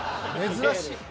珍しい。